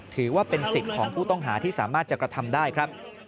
ถือว่าเป็นสิทธิ์ของผู้ต้องหาที่สามารถจะกระทำได้ครับ